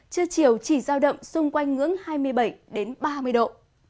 trưa chiều chỉ dao động xung quanh ngưỡng hai mươi bảy đến ba mươi độ